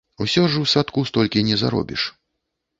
Усё ж у садку столькі не заробіш.